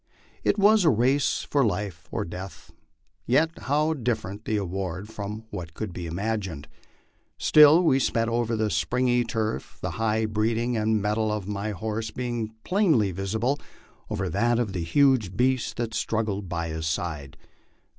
It was a race for life or death, yet how different the award from what could be imagined. Still we sped over the springy turf, the high breeding and mettle of my horse being plainly visible over that of the huge beast that struggled by his side.